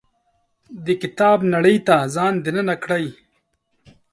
د کتاب نړۍ ته ځان دننه کړي.